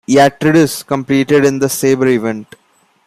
Iatridis competed in the sabre event.